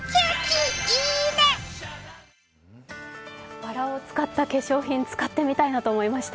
バラを使った化粧品、使ってみたいと思いました。